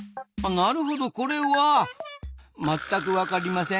なるほどこれはまったく分かりません。